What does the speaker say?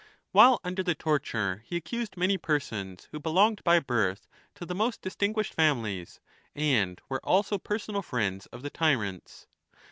While under the torture he accused many persons who belonged by birth to the most distinguished families and were also personal friends of the tyrants.